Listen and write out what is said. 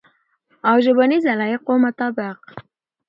او ژبنیز علایقو مطابق